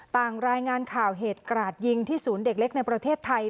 ต่างรายงานข่าวเหตุกราดยิงที่ศูนย์เด็กเล็กในประเทศไทย